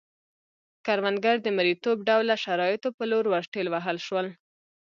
کروندګر د مریتوب ډوله شرایطو په لور ورټېل وهل شول.